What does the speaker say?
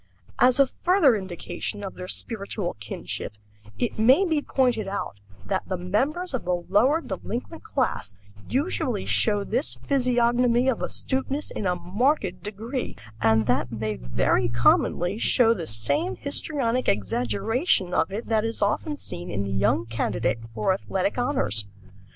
As a further indication of their spiritual kinship, it may be pointed out that the members of the lower delinquent class usually show this physiognomy of astuteness in a marked degree, and that they very commonly show the same histrionic exaggeration of it that is often seen in the young candidate for athletic honors.